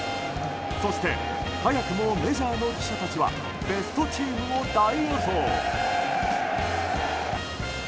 そして早くもメジャーの記者たちはベストチームを大予想。